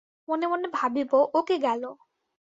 মনে মনে ভাবিব, ও কে গেল।